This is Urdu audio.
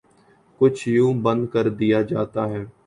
کچھ یوں بند کردیا جاتا ہے